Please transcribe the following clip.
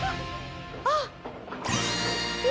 あっ！